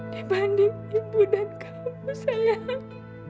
dibanding ibu dan kamu masalah